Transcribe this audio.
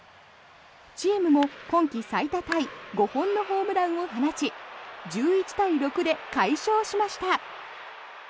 チームも今季最多タイ５本のホームランを放ち１１対６で快勝しました。